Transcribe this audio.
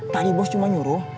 tadi bos cuma nyuruh